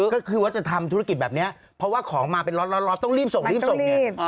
ก็คือว่าจะทำธุรกิจแบบนี้เพราะว่าของมาเป็นร้อนต้องรีบส่งรีบส่งเนี่ย